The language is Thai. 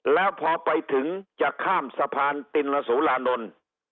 แล้วพอไปถึงจะข้ามสะพานตินสุรานนท์